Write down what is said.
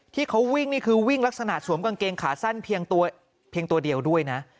ที่เขาวิ่งนี่คือวิ่งลักษณะสวมกางเกงขาสั้นเพียงตัวเดียวด้วยนะ